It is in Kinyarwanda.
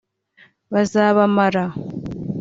bazabamara